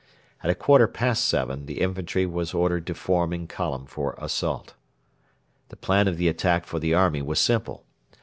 At a quarter past seven the infantry were ordered to form in column for assault. The plan of the attack for the army was simple.